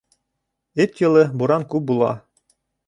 Эт йылы буран күп була.